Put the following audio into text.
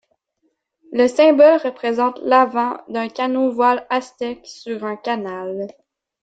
Le symbole représente l'avant d'un canot voile Aztec sur un canal.